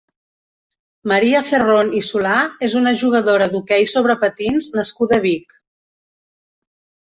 Maria Ferrón i Solà és una jugadora d'hoquei sobre patins nascuda a Vic.